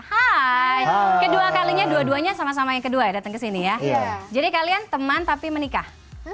hai kedua kalinya dua duanya sama sama yang kedua datang kesini ya jadi kalian teman tapi menikah